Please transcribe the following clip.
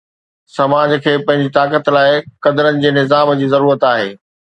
سماج کي پنهنجي طاقت لاءِ قدرن جي نظام جي ضرورت آهي.